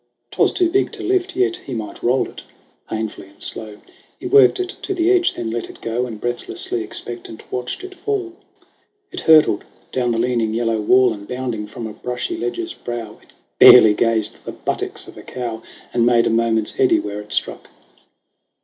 'Twas too big to lift, Yet he might roll it. Painfully and slow He worked it to the edge, then let it go And breathlessly expectant watched it fall. It hurtled down the leaning yellow wall, And bounding from a brushy ledge's brow, It barely grazed the buttocks of a cow And made a moment's eddy where it struck.